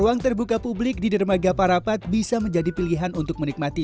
ruang terbuka publik di dermaga parapat bisa menjadi pilihan untuk menikmati